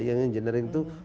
yang engineering tuh